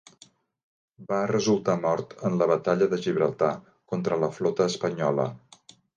Va resultar mort en la batalla de Gibraltar contra la flota espanyola.